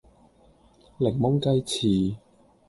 檸檬雞翅